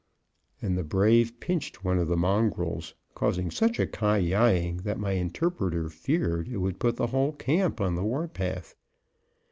And the brave pinched one of the mongrels, causing such a ky eying that my interpreter feared it would put the whole camp on the war path.